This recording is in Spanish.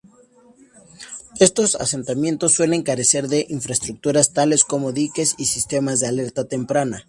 Estos asentamientos suelen carecer de infraestructuras tales como diques y sistemas de alerta temprana.